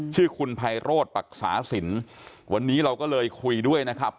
ชื่อคุณไพโรธปรักษาสินวันนี้เราก็เลยคุยด้วยนะครับ